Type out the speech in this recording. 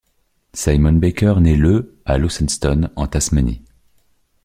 Simon Baker naît le à Launceston, en Tasmanie.